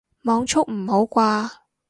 網速唔好啩